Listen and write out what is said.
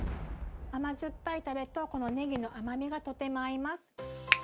甘酸っぱいタレとこのねぎの甘みがとても合います。